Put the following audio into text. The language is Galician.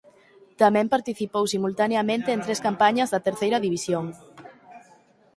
Tamén participou simultaneamente en tres campañas da Terceira División.